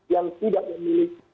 yang tidak memiliki